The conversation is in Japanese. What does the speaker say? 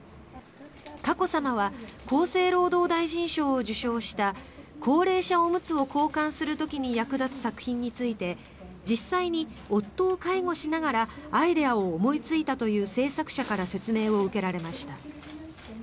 佳子さまは厚生労働大臣賞を受賞した高齢者おむつをを交換する時に役立つ作品について実際に夫を介護しながらアイデアを思いついたという制作者から説明を受けられました。